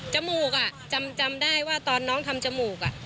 จมูกอ่ะจำได้ว่าตอนน้องทำจมูกอ่ะ